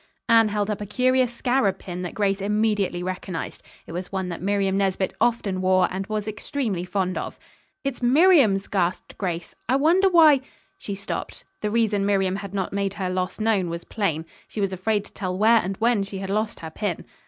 Anne held up a curious scarab pin that Grace immediately recognized. It was one that Miriam Nesbit often wore, and was extremely fond of. "It's Miriam's," gasped Grace. "I wonder why " She stopped. The reason Miriam had not made her loss known was plain. She was afraid to tell where and when she had lost her pin.